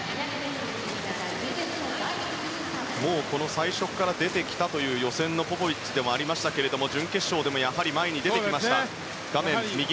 最初から出てきたという予選のポポビッチでありましたが準決勝でも前に出てきました。